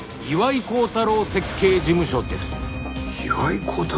岩井剛太郎設計事務所？